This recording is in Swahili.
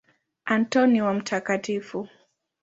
Antoni wa Mt.